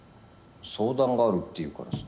相談があるって言うからさ。